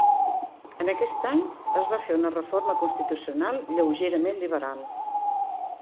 En aquest any es va fer una reforma constitucional lleugerament liberal.